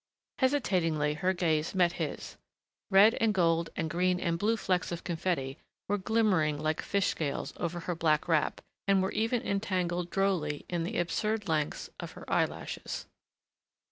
Hesitatingly her gaze met his. Red and gold and green and blue flecks of confetti were glimmering like fishscales over her black wrap and were even entangled drolly in the absurd lengths of her eye lashes.